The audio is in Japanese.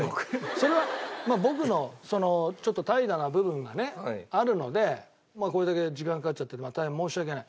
それは僕のちょっと怠惰な部分がねあるのでこれだけ時間かかっちゃって大変申し訳ない。